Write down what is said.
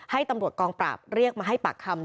ให้ตำรวจกองปราบเรียกมาให้ปากคำ